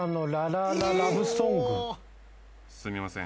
すみません。